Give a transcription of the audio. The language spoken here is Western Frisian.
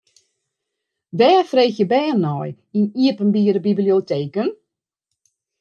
Wêr freegje bern nei yn iepenbiere biblioteken?